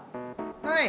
はい。